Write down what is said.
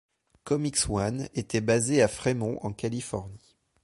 ComicsOne était basée à Fremont en Californie.